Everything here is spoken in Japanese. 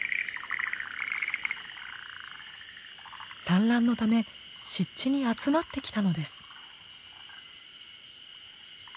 産卵のため湿地に集まってきたのです。